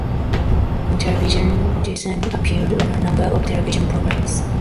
On television, Duncan appeared on a number of television programs.